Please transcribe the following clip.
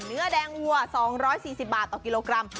เนื้อแดงวัว๒๔๐บาทต่อกิโลกรัม